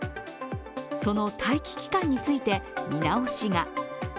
その待機期間について見直しが。